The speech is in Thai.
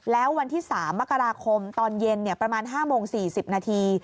แล้ววันที่๓มกราคมตอนเย็นประมาณ๕โมง๔๐นาที